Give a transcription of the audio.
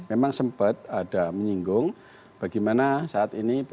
memang sempat ada menyinggung bagaimana saat ini p tiga